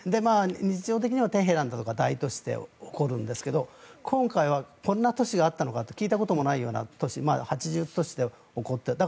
日常的にはテヘランとか大都市で起こるんですが今回はこんな都市があったのかと聞いたこともないような都市８０都市で起こっている。